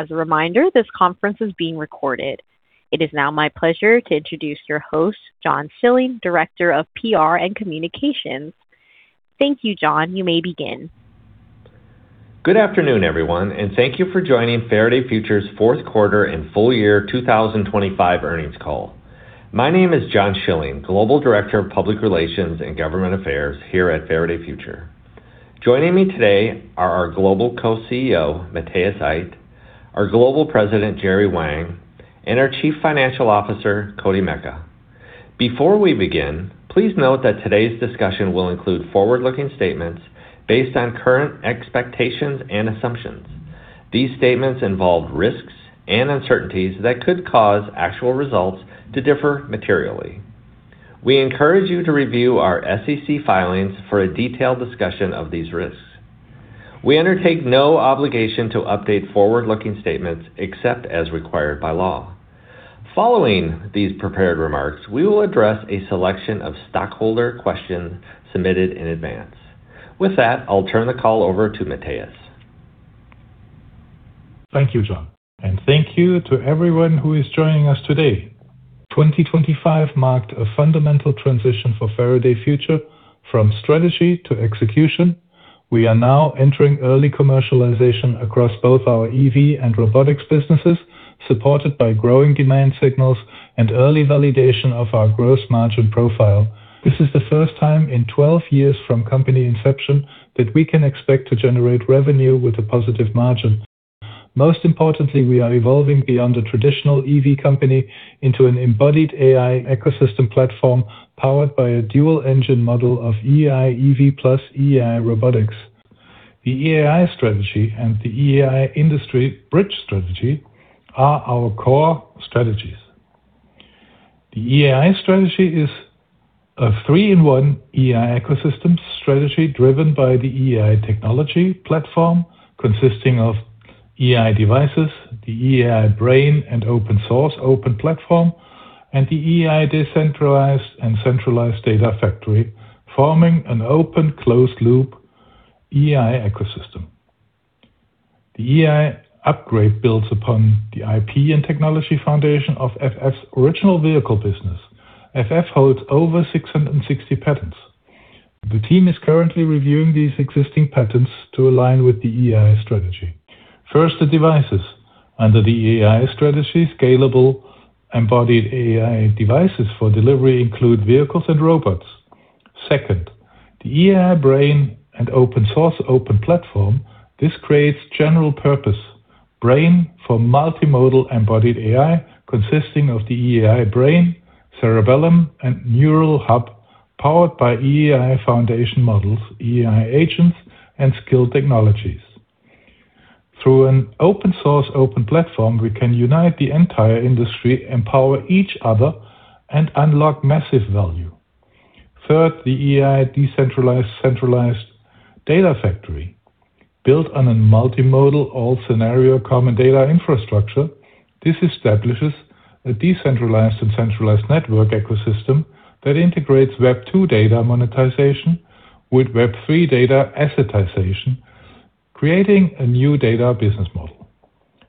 As a reminder, this conference is being recorded. It is now my pleasure to introduce your host, John Schilling, Director of PR and Communications. Thank you, John. You may begin. Good afternoon, everyone, and thank you for joining Faraday Future's Fourth Quarter and Full Year 2025 Earnings Call. My name is John Schilling, Global Director of Public Relations and Government Affairs here at Faraday Future. Joining me today are our Global Co-CEO, Matthias Aydt; our Global President, Jerry Wang; and our Chief Financial Officer, Koti Meka. Before we begin, please note that today's discussion will include forward-looking statements based on current expectations and assumptions. These statements involve risks and uncertainties that could cause actual results to differ materially. We encourage you to review our SEC filings for a detailed discussion of these risks. We undertake no obligation to update forward-looking statements except as required by law. Following these prepared remarks, we will address a selection of stockholder questions submitted in advance. With that, I'll turn the call over to Matthias. Thank you, John, and thank you to everyone who is joining us today. 2025 marked a fundamental transition for Faraday Future from strategy to execution. We are now entering early commercialization across both our EV and robotics businesses, supported by growing demand signals and early validation of our growth margin profile. This is the first time in 12 years from company inception that we can expect to generate revenue with a positive margin. Most importantly, we are evolving beyond the traditional EV company into an embodied AI ecosystem platform powered by a dual-engine model of EAI EV + EAI robotics. The EAI strategy and the EAI industry bridge strategy are our core strategies. The EAI strategy is a three-in-one AI ecosystem strategy driven by the EAI technology platform, consisting of EAI devices, the EAI brain and open source, open platform, and the EAI decentralized and centralized data factory, forming an open, closed loop EAI ecosystem. The EAI upgrade builds upon the IP and technology foundation of FF's original vehicle business. FF holds over 660 patents. The team is currently reviewing these existing patents to align with the EAI strategy. First, the devices. Under the EAI strategy, scalable, embodied AI devices for delivery include vehicles and robots. Second, the EAI brain and open source open platform. This creates general-purpose brain for multimodal embodied AI, consisting of the EAI brain, cerebellum, and neural hub, powered by EAI foundation models, EAI agents, and skill technologies. Through an open source open platform, we can unite the entire industry, empower each other, and unlock massive value. Third, the EAI decentralized centralized data factory. Built on a multimodal, all-scenario common data infrastructure, this establishes a decentralized and centralized network ecosystem that integrates Web2 data monetization with Web3 data assetization, creating a new data business model.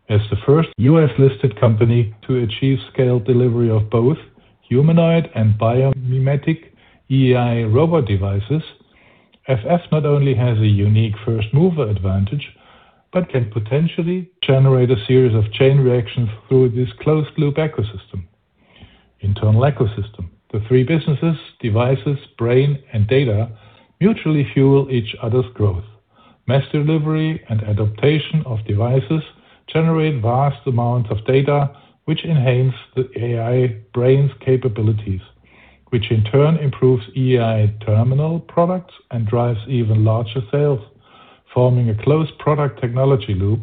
As the first U.S.-listed company to achieve scale delivery of both humanoid and biomimetic EAI robot devices, FF not only has a unique first-mover advantage but can potentially generate a series of chain reactions through this closed-loop internal ecosystem. The three businesses, devices, brain, and data mutually fuel each other's growth. Mass delivery and adaptation of devices generate vast amounts of data, which enhance the EAI Brain's capabilities, which in turn improves EAI terminal products and drives even larger sales, forming a closed product technology loop.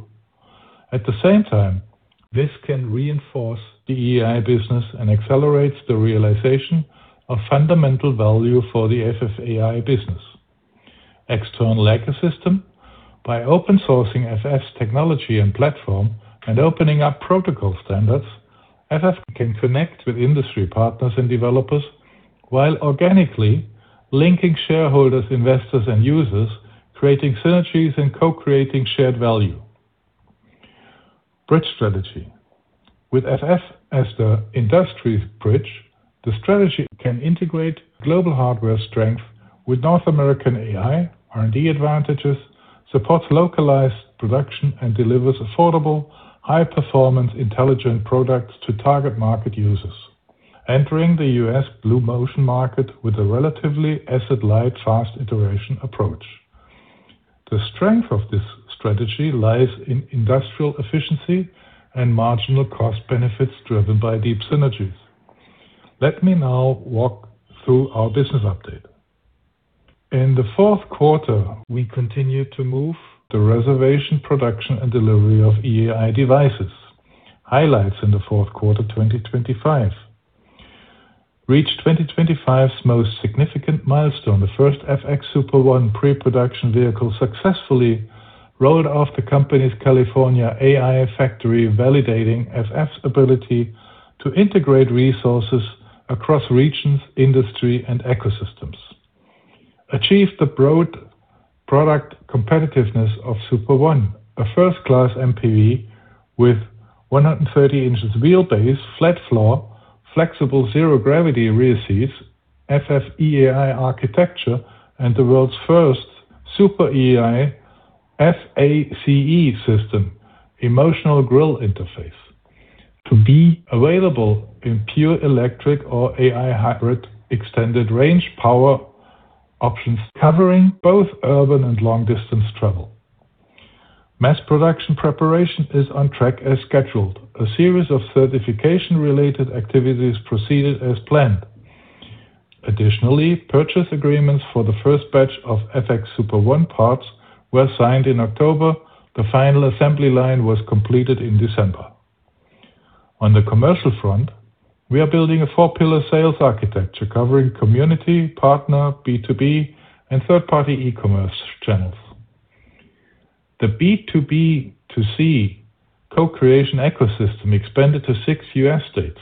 At the same time, this can reinforce the EAI business and accelerates the realization of fundamental value for the FF AI business. External ecosystem. By open sourcing FF's technology and platform and opening up protocol standards, FF can connect with industry partners and developers while organically linking shareholders, investors, and users, creating synergies and co-creating shared value. Bridge strategy. With FF as the industry's bridge, the strategy can integrate global hardware strength with North American AI R&D advantages, supports localized production, and delivers affordable, high-performance, intelligent products to target market users. Entering the U.S. Blue Ocean market with a relatively asset-light, fast iteration approach. The strength of this strategy lies in industrial efficiency and marginal cost benefits driven by deep synergies. Let me now walk through our business update. In the fourth quarter, we continued to move the reservation, production, and delivery of EAI devices. Highlights in the fourth quarter 2025. Reached 2025's most significant milestone. The first FX Super One pre-production vehicle successfully rolled off the company's California AI factory, validating FF's ability to integrate resources across regions, industry, and ecosystems. Achieve the broad product competitiveness of Super One, a first-class MPV with 130 in wheelbase, flat floor, flexible zero gravity rear seats, FF EAI architecture, and the world's first Super EAI F.A.C.E. system, emotional grille interface, to be available in pure electric or AI hybrid extended-range power options covering both urban and long-distance travel. Mass production preparation is on track as scheduled. A series of certification-related activities proceeded as planned. Additionally, purchase agreements for the first batch of FX Super One parts were signed in October. The final assembly line was completed in December. On the commercial front, we are building a four-pillar sales architecture covering community, partner, B2B, and third-party e-commerce channels. The B2B2C co-creation ecosystem expanded to six U.S. states.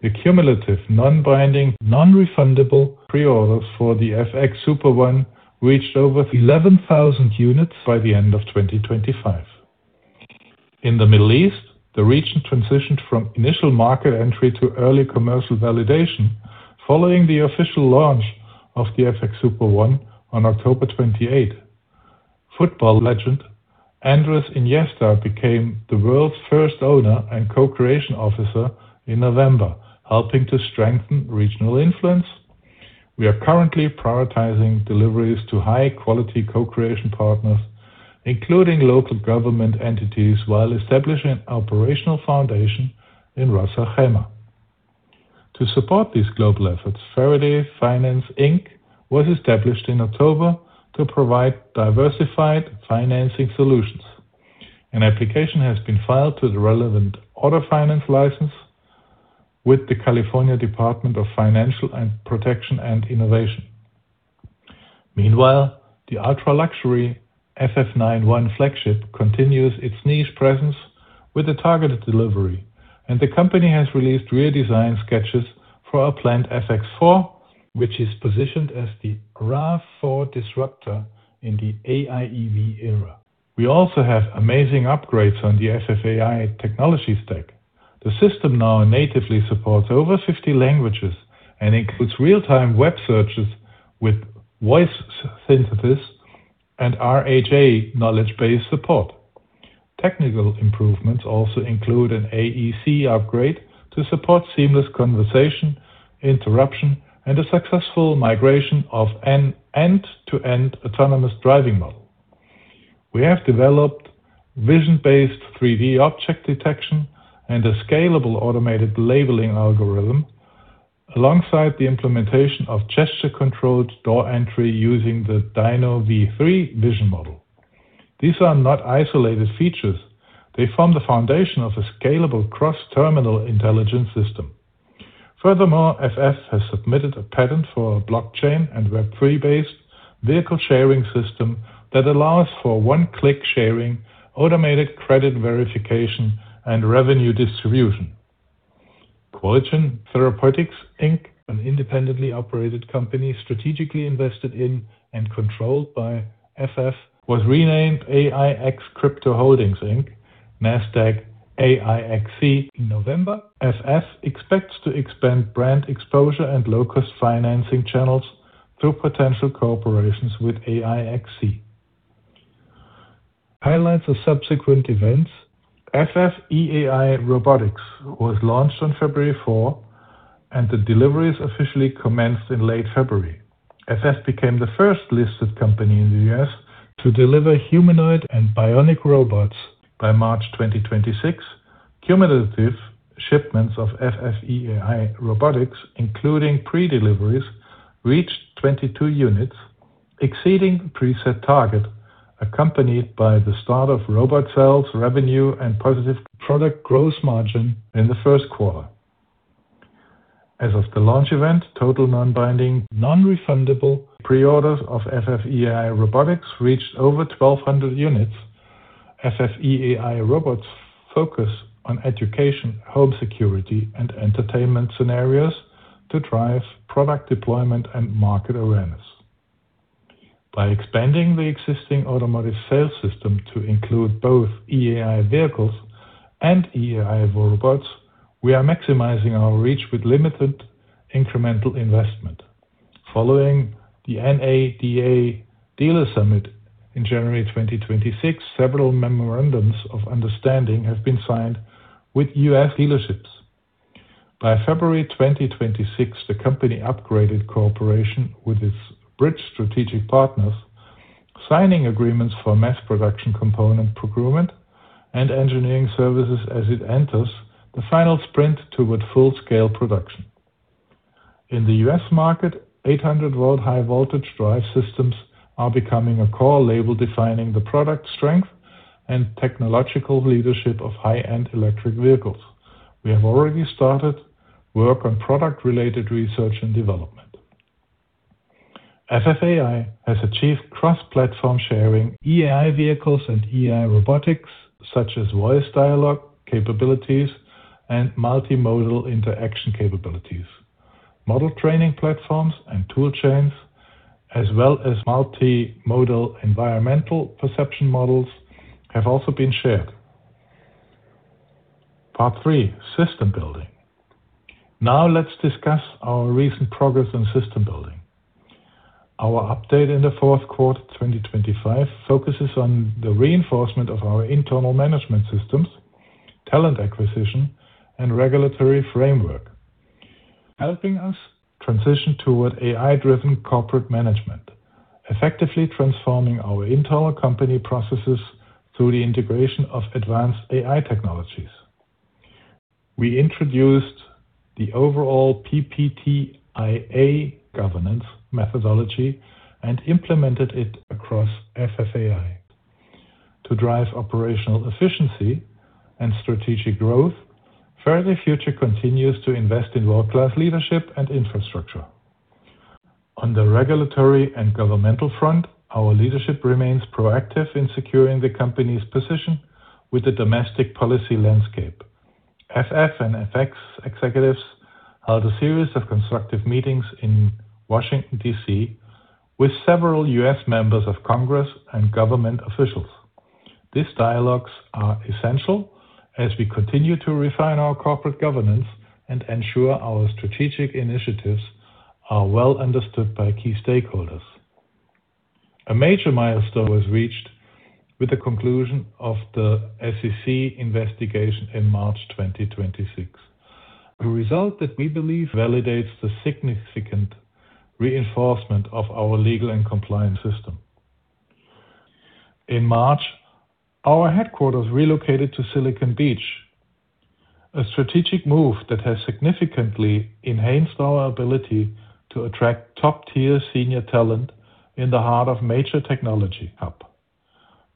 The cumulative non-binding, non-refundable pre-orders for the FX Super One reached over 11,000 units by the end of 2025. In the Middle East, the region transitioned from initial market entry to early commercial validation following the official launch of the FX Super One on October 28. Football legend, Andrés Iniesta, became the world's first owner and co-creation officer in November, helping to strengthen regional influence. We are currently prioritizing deliveries to high-quality co-creation partners, including local government entities, while establishing an operational foundation in Ras Al Khaimah. To support these global efforts, Faraday Finance Inc was established in October to provide diversified financing solutions. An application has been filed to the relevant auto finance license with the California Department of Financial Protection and Innovation. Meanwhile, the ultra-luxury FF 91 flagship continues its niche presence with a targeted delivery, and the company has released rear design sketches for our planned FX 4, which is positioned as the RAV4 disruptor in the AIEV era. We also have amazing upgrades on the FF EAI technology stack. The system now natively supports over 50 languages and includes real-time web searches with voice synthesis and RAG knowledge base support. Technical improvements also include an AEC upgrade to support seamless conversation, interruption, and a successful migration of an end-to-end autonomous driving model. We have developed vision-based 3D object detection and a scalable automated labeling algorithm alongside the implementation of gesture-controlled door entry using the DINOv3 vision model. These are not isolated features. They form the foundation of a scalable cross-terminal intelligence system. Furthermore, FF has submitted a patent for a blockchain and Web3-based vehicle sharing system that allows for one-click sharing, automated credit verification, and revenue distribution. Qualigen Therapeutics, Inc, an independently operated company strategically invested in and controlled by FF, was renamed AIxCrypto Holdings, Inc, NASDAQ: AIXC in November. FF expects to expand brand exposure and low-cost financing channels through potential cooperations with AIXC. Highlights of subsequent events. FF EAI Robotics was launched on February 4, and the deliveries officially commenced in late February. FF became the first listed company in the U.S. to deliver humanoid and bionic robots by March 2026. Cumulative shipments of FF EAI Robotics, including pre-deliveries, reached 22 units, exceeding preset target, accompanied by the start of robot sales, revenue, and positive product gross margin in the first quarter. As of the launch event, total non-binding, non-refundable pre-orders of FF EAI Robotics reached over 1,200 units. FF EAI Robots focus on education, home security, and entertainment scenarios to drive product deployment and market awareness. By expanding the existing automotive sales system to include both EAI vehicles and EAI robots, we are maximizing our reach with limited incremental investment. Following the NADA Show in January 2026, several memorandums of understanding have been signed with U.S. dealerships. By February 2026, the company upgraded cooperation with its bridge strategic partners, signing agreements for mass production component procurement and engineering services as it enters the final sprint toward full-scale production. In the U.S. market, 800-volt high voltage drive systems are becoming a core label defining the product strength and technological leadership of high-end electric vehicles. We have already started work on product-related research and development. FFAI has achieved cross-platform sharing EAI vehicles and EAI robotics, such as voice dialogue capabilities and multimodal interaction capabilities. Model training platforms and tool chains, as well as multimodal environmental perception models, have also been shared. Part three, system building. Now let's discuss our recent progress in system building. Our update in the fourth quarter 2025 focuses on the reinforcement of our internal management systems, talent acquisition, and regulatory framework, helping us transition toward AI-driven corporate management, effectively transforming our internal company processes through the integration of advanced AI technologies. We introduced the overall PPTIA governance methodology and implemented it across FFAI. To drive operational efficiency and strategic growth, Faraday Future continues to invest in world-class leadership and infrastructure. On the regulatory and governmental front, our leadership remains proactive in securing the company's position with the domestic policy landscape. FF and FX executives held a series of constructive meetings in Washington, D.C. with several U.S. members of Congress and government officials. These dialogues are essential as we continue to refine our corporate governance and ensure our strategic initiatives are well understood by key stakeholders. A major milestone was reached with the conclusion of the SEC investigation in March 2026, a result that we believe validates the significant reinforcement of our legal and compliance system. In March, our headquarters relocated to Silicon Beach, a strategic move that has significantly enhanced our ability to attract top-tier senior talent in the heart of a major technology hub.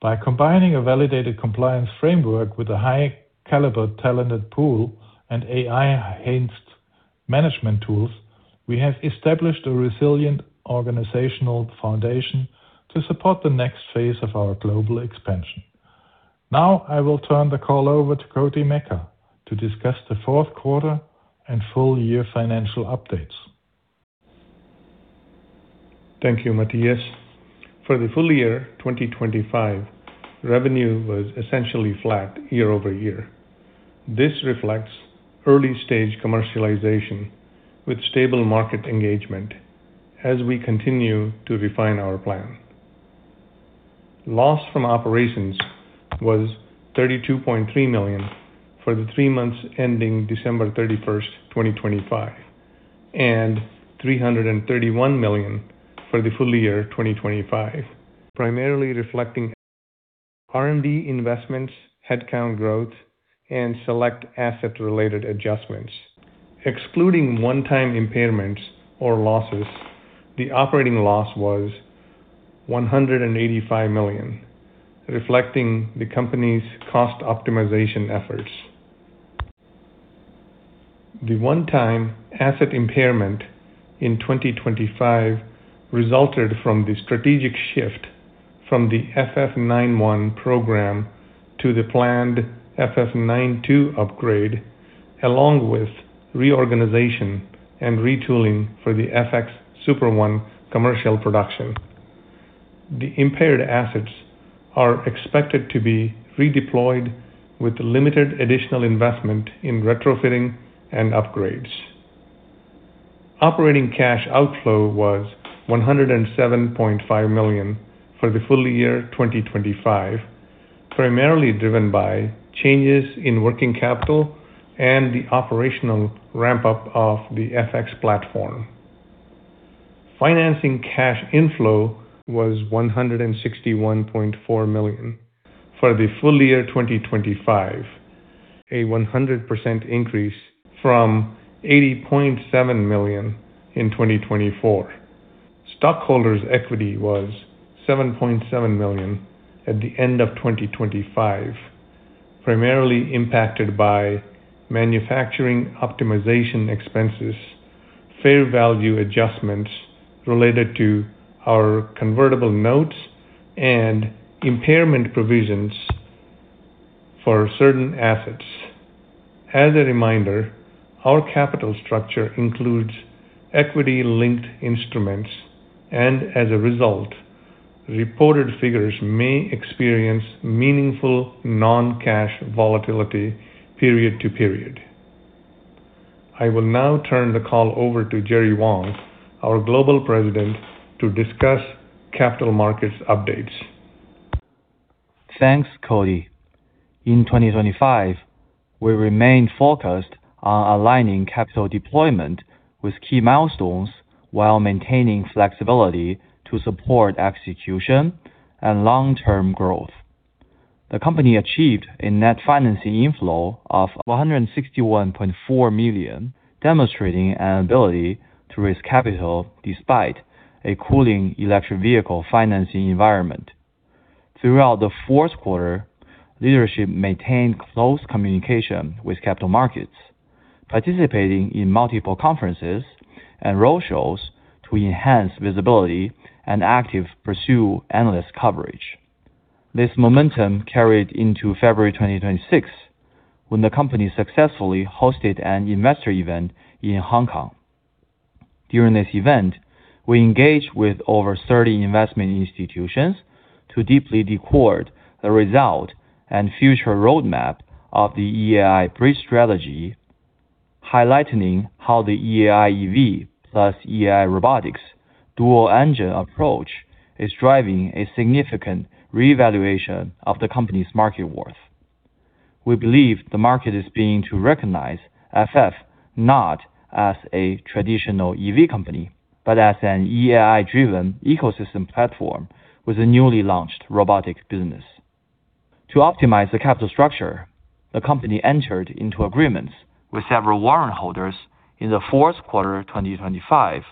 By combining a validated compliance framework with a high-caliber talent pool and AI-enhanced management tools, we have established a resilient organizational foundation to support the next phase of our global expansion. Now I will turn the call over to Koti Meka to discuss the fourth quarter and full year financial updates. Thank you, Matthias. For the full year 2025, revenue was essentially flat year-over-year. This reflects early-stage commercialization with stable market engagement as we continue to refine our plan. Loss from operations was $32.3 million for the three months ending December 31st, 2025, and $331 million for the full year 2025, primarily reflecting R&D investments, headcount growth, and select asset-related adjustments. Excluding one-time impairments or losses, the operating loss was $185 million, reflecting the company's cost optimization efforts. The one-time asset impairment in 2025 resulted from the strategic shift from the FF 91 program to the planned FF 92 upgrade, along with reorganization and retooling for the FX Super One commercial production. The impaired assets are expected to be redeployed with limited additional investment in retrofitting and upgrades. Operating cash outflow was $107.5 million for the full year 2025, primarily driven by changes in working capital and the operational ramp-up of the FX platform. Financing cash inflow was $161.4 million for the full year 2025, a 100% increase from $80.7 million in 2024. Stockholders' equity was $7.7 million at the end of 2025, primarily impacted by manufacturing optimization expenses, fair value adjustments related to our convertible notes, and impairment provisions for certain assets. As a reminder, our capital structure includes equity-linked instruments, and as a result, reported figures may experience meaningful non-cash volatility period to period. I will now turn the call over to Jerry Wang, our Global President, to discuss capital markets updates. Thanks, Koti. In 2025, we remained focused on aligning capital deployment with key milestones while maintaining flexibility to support execution and long-term growth. The company achieved a net financing inflow of $161.4 million, demonstrating an ability to raise capital despite a cooling electric vehicle financing environment. Throughout the fourth quarter, leadership maintained close communication with capital markets, participating in multiple conferences and roadshows to enhance visibility and actively pursue analyst coverage. This momentum carried into February 2026, when the company successfully hosted an investor event in Hong Kong. During this event, we engaged with over 30 investment institutions to deeply decode the results and future roadmap of the EAI Bridge Strategy, highlighting how the EAI EV + EAI Robotics dual engine approach is driving a significant reevaluation of the company's market worth. We believe the market is beginning to recognize FF not as a traditional EV company, but as an EAI-driven ecosystem platform with a newly launched robotics business. To optimize the capital structure, the company entered into agreements with several warrant holders in the fourth quarter of 2025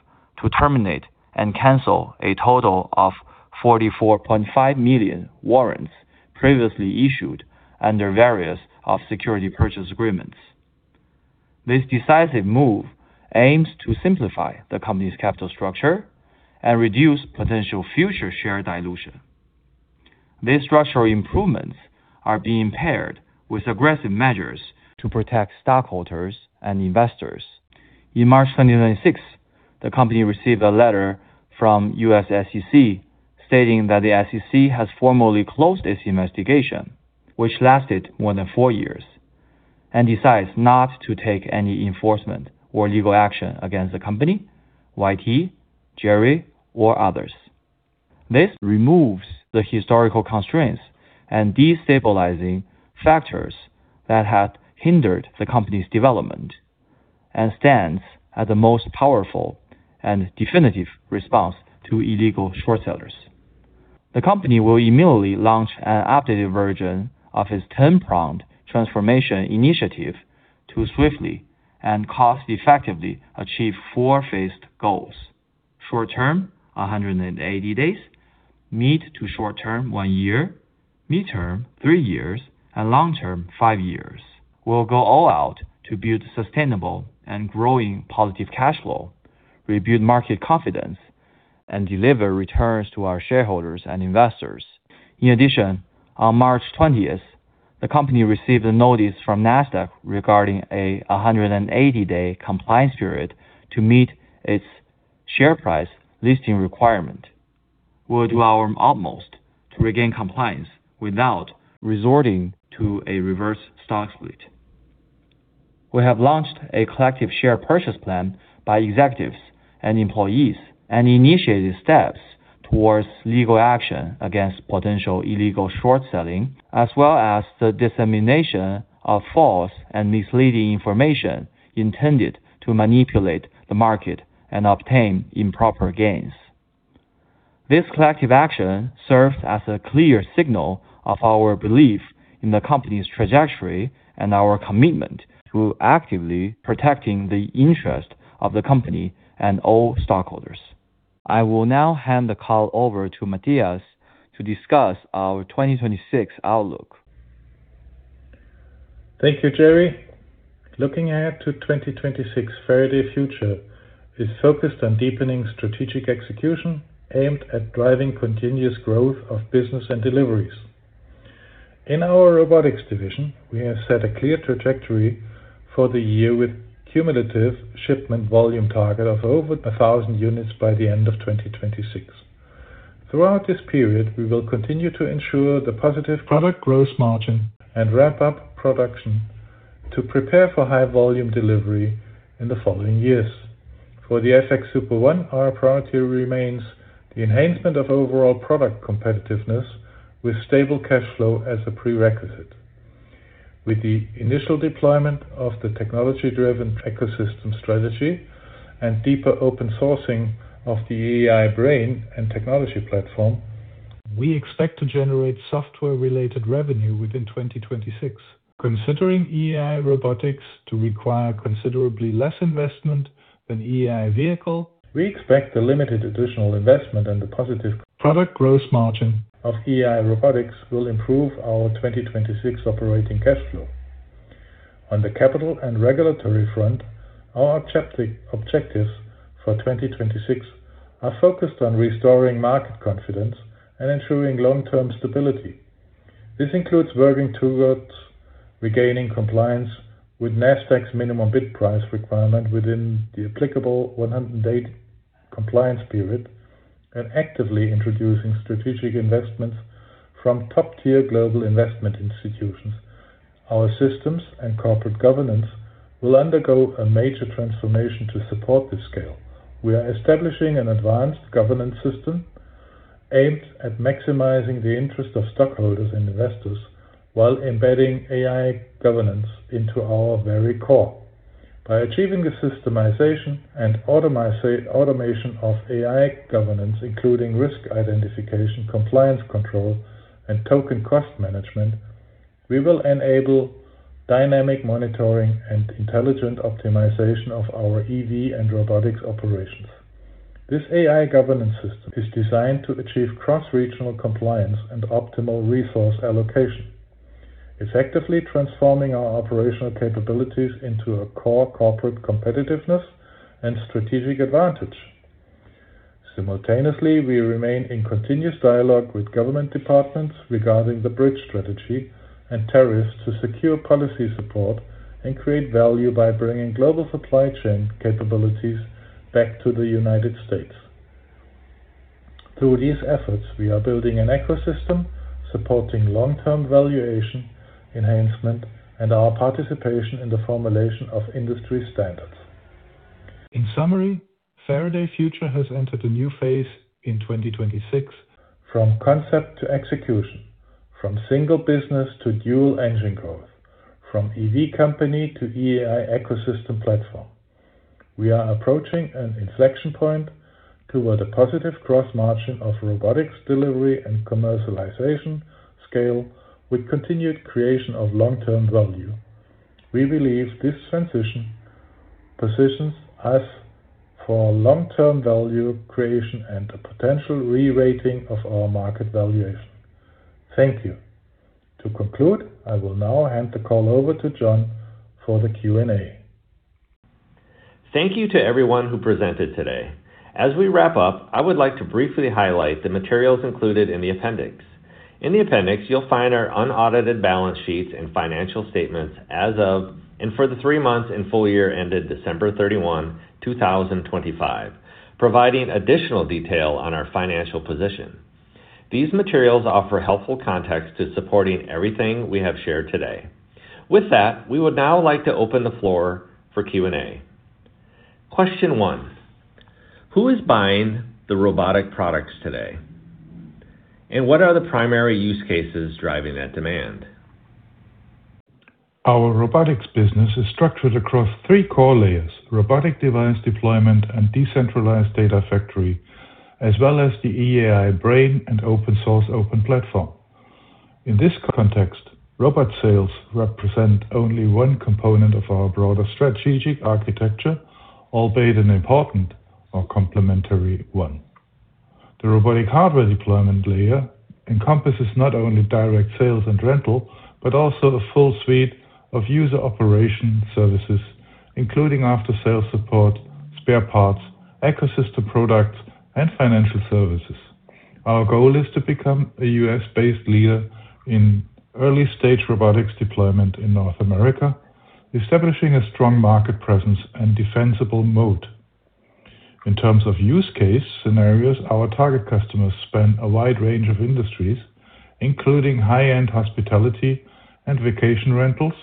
to terminate and cancel a total of 44.5 million warrants previously issued under various security purchase agreements. This decisive move aims to simplify the company's capital structure and reduce potential future share dilution. These structural improvements are being paired with aggressive measures to protect stockholders and investors. In March 2026, the company received a letter from U.S. SEC stating that the SEC has formally closed its investigation, which lasted more than four years, and decides not to take any enforcement or legal action against the company, YT, Jerry, or others. This removes the historical constraints and destabilizing factors that had hindered the company's development and stands as the most powerful and definitive response to illegal short sellers. The company will immediately launch an updated version of its 10-pronged transformation initiative to swiftly and cost effectively achieve four-phased goals. Short term, 180 days, mid- to short term, one year, mid-term, three years, and long-term, five years. We'll go all out to build sustainable and growing positive cash flow, rebuild market confidence, and deliver returns to our shareholders and investors. In addition, on March 20th, the company received a notice from NASDAQ regarding a 180-day compliance period to meet its share price listing requirement. We'll do our utmost to regain compliance without resorting to a reverse stock split. We have launched a collective share purchase plan by executives and employees and initiated steps towards legal action against potential illegal short selling, as well as the dissemination of false and misleading information intended to manipulate the market and obtain improper gains. This collective action serves as a clear signal of our belief in the company's trajectory and our commitment to actively protecting the interest of the company and all stockholders. I will now hand the call over to Matthias to discuss our 2026 outlook. Thank you, Jerry. Looking ahead to 2026, Faraday Future is focused on deepening strategic execution aimed at driving continuous growth of business and deliveries. In our robotics division, we have set a clear trajectory for the year with cumulative shipment volume target of over 1,000 units by the end of 2026. Throughout this period, we will continue to ensure the positive product gross margin and wrap up production to prepare for high volume delivery in the following years. For the FF Super One, our priority remains the enhancement of overall product competitiveness with stable cash flow as a prerequisite. With the initial deployment of the technology-driven ecosystem strategy and deeper open sourcing of the AI Brain and technology platform, we expect to generate software-related revenue within 2026. Considering EAI Robotics to require considerably less investment than EAI vehicle, we expect the limited additional investment and the positive product gross margin of EAI Robotics will improve our 2026 operating cash flow. On the capital and regulatory front, our objectives for 2026 are focused on restoring market confidence and ensuring long-term stability. This includes working towards regaining compliance with NASDAQ's minimum bid price requirement within the applicable 180 compliance period, and actively introducing strategic investments from top-tier global investment institutions. Our systems and corporate governance will undergo a major transformation to support this scale. We are establishing an advanced governance system aimed at maximizing the interest of stockholders and investors while embedding AI governance into our very core. By achieving the systemization and automation of AI governance, including risk identification, compliance control, and token cost management, we will enable dynamic monitoring and intelligent optimization of our EV and Robotics operations. This AI governance system is designed to achieve cross-regional compliance and optimal resource allocation, effectively transforming our operational capabilities into a core corporate competitiveness and strategic advantage. Simultaneously, we remain in continuous dialogue with government departments regarding the bridge strategy and tariffs to secure policy support and create value by bringing global supply chain capabilities back to the United States. Through these efforts, we are building an ecosystem supporting long-term valuation enhancement and our participation in the formulation of industry standards. In summary, Faraday Future has entered a new phase in 2026 from concept to execution, from single business to dual engine growth, from EV company to EAI ecosystem platform. We are approaching an inflection point toward a positive cross margin of robotics delivery and commercialization scale with continued creation of long-term value. We believe this transition positions us for long-term value creation and a potential re-rating of our market valuation. Thank you. To conclude, I will now hand the call over to John for the Q&A. Thank you to everyone who presented today. As we wrap up, I would like to briefly highlight the materials included in the appendix. In the appendix, you'll find our unaudited balance sheets and financial statements as of and for the three months and full year ended December 31, 2025, providing additional detail on our financial position. These materials offer helpful context to supporting everything we have shared today. With that, we would now like to open the floor for Q&A. Question one, Who is buying the robotic products today? And what are the primary use cases driving that demand? Our robotics business is structured across three core layers. Robotic device deployment and decentralized data factory, as well as the EAI Brain and open source open platform. In this context, robot sales represent only one component of our broader strategic architecture, albeit an important or complementary one. The robotic hardware deployment layer encompasses not only direct sales and rental, but also a full suite of user operation services, including after-sale support, spare parts, ecosystem products, and financial services. Our goal is to become a U.S.-based leader in early-stage robotics deployment in North America, establishing a strong market presence and defensible moat. In terms of use case scenarios, our target customers span a wide range of industries, including high-end hospitality and vacation rentals,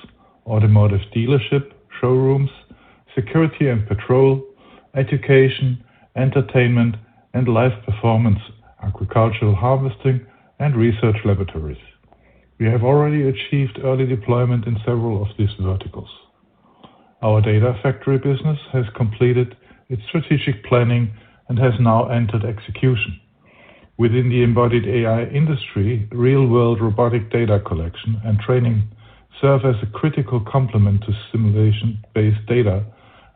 automotive dealership, showrooms, security and patrol, education, entertainment, and live performance, agricultural harvesting, and research laboratories. We have already achieved early deployment in several of these verticals. Our data factory business has completed its strategic planning and has now entered execution. Within the embodied AI industry, real-world robotic data collection and training serve as a critical complement to simulation-based data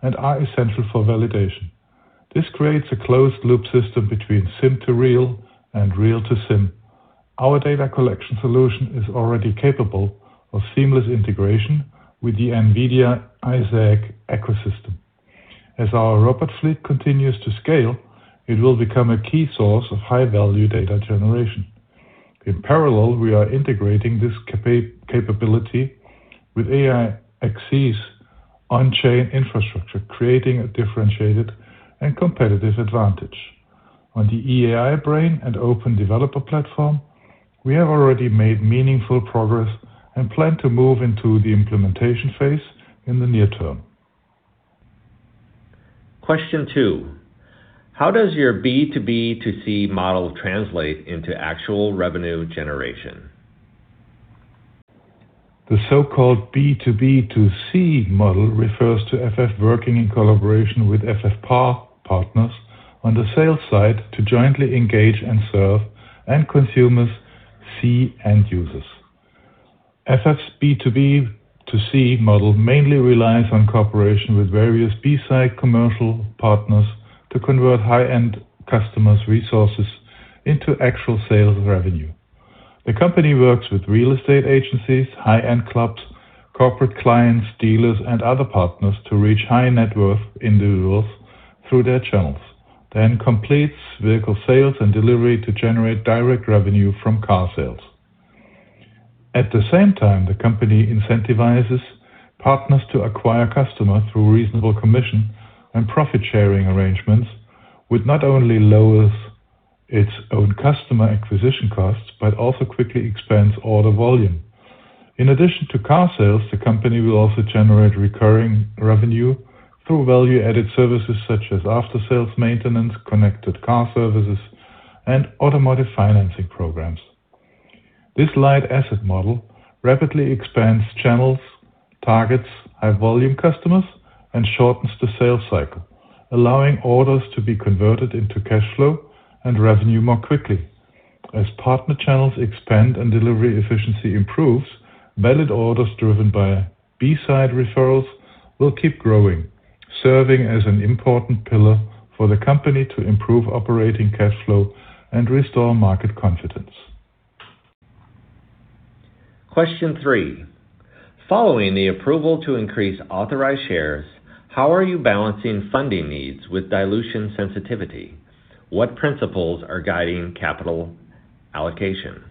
and are essential for validation. This creates a closed loop system between sim to real and real to sim. Our data collection solution is already capable of seamless integration with the NVIDIA Isaac ecosystem. As our robot fleet continues to scale, it will become a key source of high-value data generation. In parallel, we are integrating this capability with AIXC on-chain infrastructure, creating a differentiated and competitive advantage. On the EAI Brain and open developer platform, we have already made meaningful progress and plan to move into the implementation phase in the near term. Question two, How does your B2B2C model translate into actual revenue generation? The so-called B2B2C model refers to FF working in collaboration with FF partners on the sales side to jointly engage and serve end consumers, C-end users. FF's B2B2C model mainly relies on cooperation with various B-side commercial partners to convert high-end customer resources into actual sales revenue. The company works with real estate agencies, high-end clubs, corporate clients, dealers, and other partners to reach high net worth individuals through their channels, then completes vehicle sales and delivery to generate direct revenue from car sales. At the same time, the company incentivizes partners to acquire customers through reasonable commission and profit-sharing arrangements, which not only lowers its own customer acquisition costs, but also quickly expands order volume. In addition to car sales, the company will also generate recurring revenue through value-added services such as after-sales maintenance, connected car services, and automotive financing programs. This light asset model rapidly expands channels, targets high volume customers, and shortens the sales cycle, allowing orders to be converted into cash flow and revenue more quickly. As partner channels expand and delivery efficiency improves, valid orders driven by B-side referrals will keep growing. Serving as an important pillar for the company to improve operating cash flow and restore market confidence. Question three, following the approval to increase authorized shares, how are you balancing funding needs with dilution sensitivity? What principles are guiding capital allocation?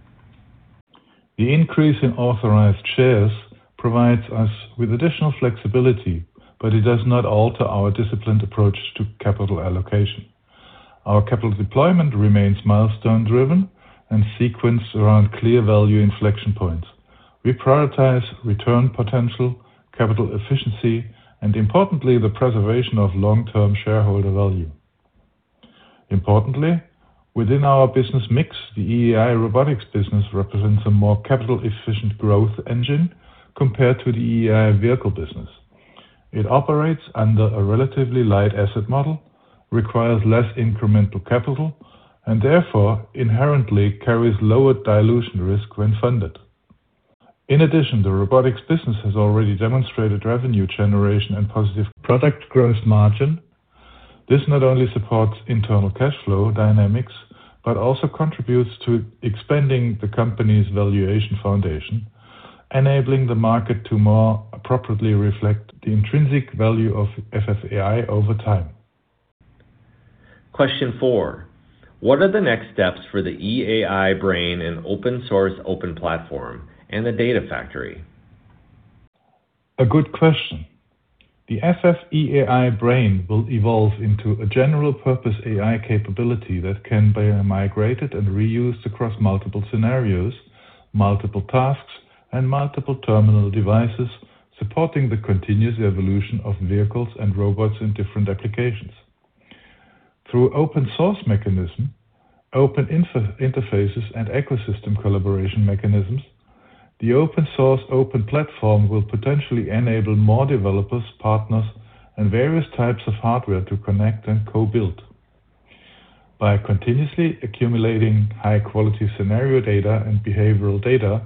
The increase in authorized shares provides us with additional flexibility, but it does not alter our disciplined approach to capital allocation. Our capital deployment remains milestone-driven and sequenced around clear value inflection points. We prioritize return potential, capital efficiency, and importantly, the preservation of long-term shareholder value. Importantly, within our business mix, the EAI Robotics business represents a more capital efficient growth engine compared to the EAI vehicle business. It operates under a relatively light asset model, requires less incremental capital, and therefore inherently carries lower dilution risk when funded. In addition, the robotics business has already demonstrated revenue generation and positive product gross margin. This not only supports internal cash flow dynamics, but also contributes to expanding the company's valuation foundation, enabling the market to more appropriately reflect the intrinsic value of FFAI over time. Question 4, what are the next steps for the EAI Brain and open source open platform and the data factory? A good question. The FFEAI Brain will evolve into a general-purpose AI capability that can be migrated and reused across multiple scenarios, multiple tasks, and multiple terminal devices, supporting the continuous evolution of vehicles and robots in different applications. Through open source mechanism, open interfaces and ecosystem collaboration mechanisms, the open source open platform will potentially enable more developers, partners, and various types of hardware to connect and co-build. By continuously accumulating high-quality scenario data and behavioral data,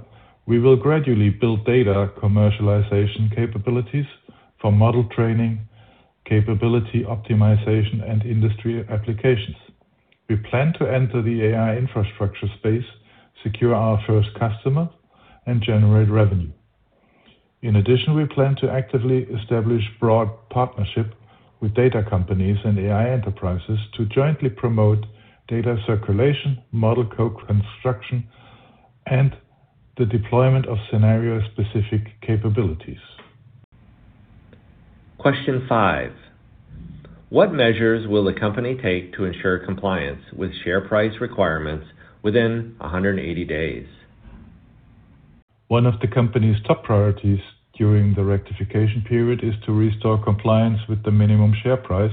we will gradually build data commercialization capabilities for model training, capability optimization, and industry applications. We plan to enter the AI infrastructure space, secure our first customer, and generate revenue. In addition, we plan to actively establish broad partnership with data companies and AI enterprises to jointly promote data circulation, model co-construction, and the deployment of scenario-specific capabilities. Question five, what measures will the company take to ensure compliance with share price requirements within 180 days? One of the company's top priorities during the rectification period is to restore compliance with the minimum share price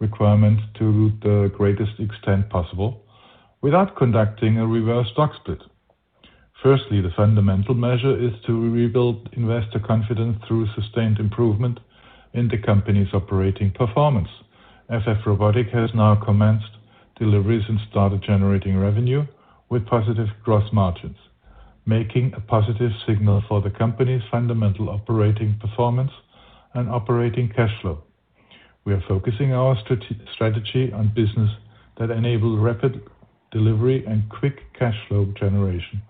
requirements to the greatest extent possible without conducting a reverse stock split. Firstly, the fundamental measure is to rebuild investor confidence through sustained improvement in the company's operating performance. FF Robotics has now commenced deliveries and started generating revenue with positive gross margins, making a positive signal for the company's fundamental operating performance and operating cash flow. We are focusing our strategy on business that enable rapid delivery and quick cash flow generation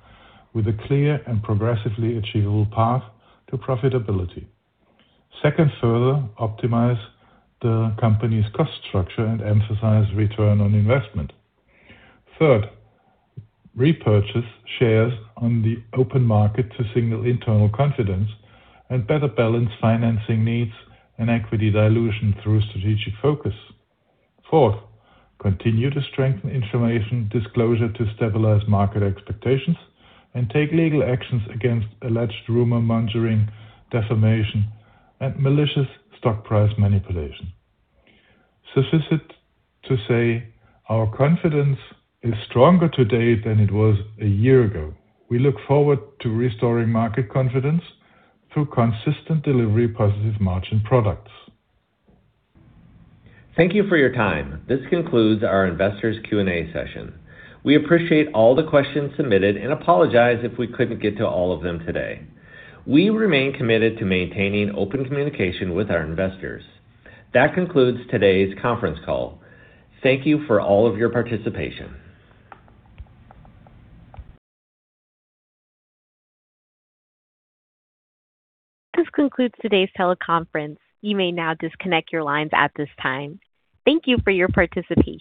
with a clear and progressively achievable path to profitability. Second, further optimize the company's cost structure and emphasize return on investment. Third, repurchase shares on the open market to signal internal confidence and better balance financing needs and equity dilution through strategic focus. Fourth, continue to strengthen information disclosure to stabilize market expectations and take legal actions against alleged rumor mongering, defamation, and malicious stock price manipulation. Suffice it to say, our confidence is stronger today than it was a year ago. We look forward to restoring market confidence through consistent delivery, positive margin products. Thank you for your time. This concludes our investors Q&A session. We appreciate all the questions submitted and apologize if we couldn't get to all of them today. We remain committed to maintaining open communication with our investors. That concludes today's conference call. Thank you for all of your participation. This concludes today's teleconference. You may now disconnect your lines at this time. Thank you for your participation.